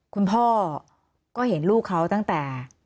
คุณพ่อก็เห็นลูกเขาตั้งแต่